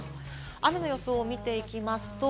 雨の予想を見ていきます。